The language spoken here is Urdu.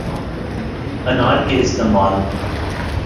انار کے استعمال